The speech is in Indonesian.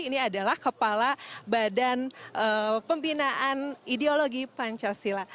ini adalah kepala badan pembinaan ideologi pancasila